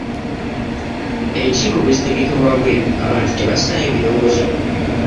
Enkiiko bwe zitegekebwa waabweru, abantu tebassaayo birowoozo.